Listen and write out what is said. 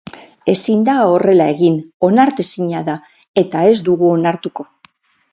Ezin da horrela egin, onartezina da, eta ez dugu onartuko.